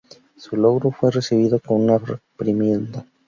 Su logro fue recibido con una reprimenda.